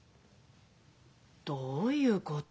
どういうこと？